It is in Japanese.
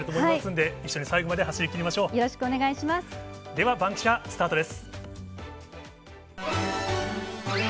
ではバンキシャ、スタートです。